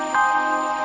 ini sebuah ny werde